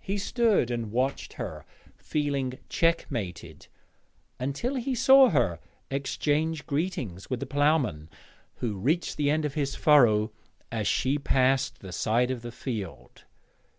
He stood and watched her, feeling checkmated, until he saw her exchange greetings with the ploughman, who reached the end of his furrow as she passed the side of the field.